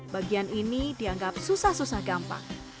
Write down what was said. bagian ini dianggap susah susah gampang